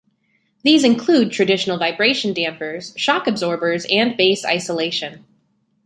These include traditional vibration dampers, shock absorbers, and base isolation.